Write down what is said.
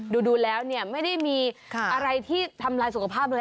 ดูแล้วเนี่ยไม่ได้มีอะไรที่ทำลายสุขภาพเลย